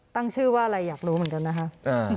ตั้งชื่อว่าอะไรอยากรู้เหมือนกันนะคะ